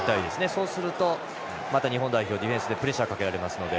そうすると、また日本代表ディフェンスでプレッシャーかけられますので。